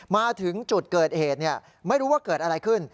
มาถึงจุดเกิดเหตุไม่รู้ว่าเกิดอะไรขึ้น